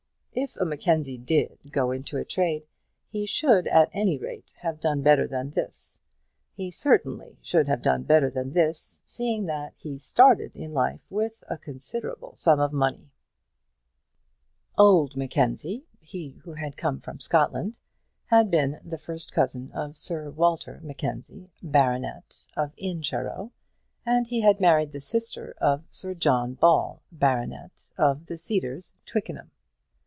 If a Mackenzie did go into trade, he should, at any rate, have done better than this. He certainly should have done better than this, seeing that he started in life with a considerable sum of money. Old Mackenzie, he who had come from Scotland, had been the first cousin of Sir Walter Mackenzie, baronet, of Incharrow, and he had married the sister of Sir John Ball, baronet, of the Cedars, Twickenham.